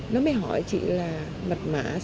nó mới hỏi chị là mệt mệt